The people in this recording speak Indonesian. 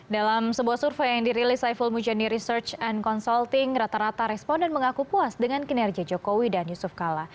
dalam sebuah survei yang dirilis saiful mujani research and consulting rata rata responden mengaku puas dengan kinerja jokowi dan yusuf kala